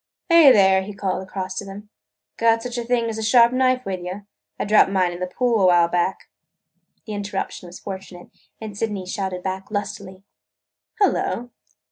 "Hey, there!" he called across to them. "Got such a thing as a good sharp knife with you? I dropped mine in the pool a while back." The interruption was fortunate, and Sydney shouted back lustily: "Hullo!